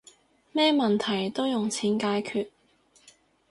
咩問題都用錢解決